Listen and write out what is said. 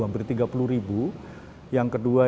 memberi tiga puluh ribu yang kedua